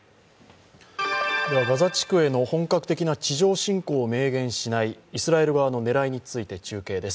ガザ地区への本格的な地上侵攻を明言しないイスラエル側の狙いについて中継です。